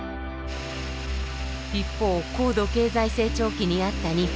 一方高度経済成長期にあった日本。